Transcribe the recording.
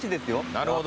なるほど。